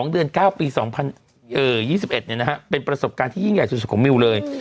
๒เดือน๙ปี๒๐๒๑เป็นประสบการณ์ที่ยิ่งใหญ่สุดของมิวเลย